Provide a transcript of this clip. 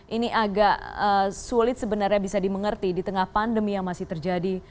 ini agak sulit sebenarnya bisa dimengerti di tengah pandemi yang masih terjadi